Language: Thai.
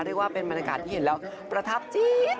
เรียกว่าเป็นบรรยากาศที่เห็นแล้วประทับจี๊ด